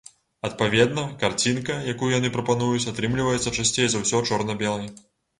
Адпаведна, карцінка, якую яны прапануюць, атрымліваецца часцей за ўсё чорна-белай.